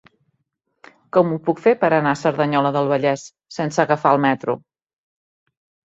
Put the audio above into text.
Com ho puc fer per anar a Cerdanyola del Vallès sense agafar el metro?